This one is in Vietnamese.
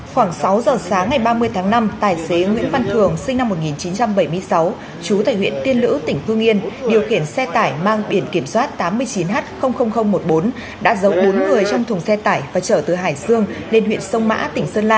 khoảng sáu giờ sáng ngày ba mươi tháng năm tài xế nguyễn văn thường sinh năm một nghìn chín trăm bảy mươi sáu chú tại huyện tiên lữ tỉnh hương yên điều khiển xe tải mang biển kiểm soát tám mươi chín h một mươi bốn đã giấu bốn người trong thùng xe tải và chở từ hải dương lên huyện sông mã tỉnh sơn la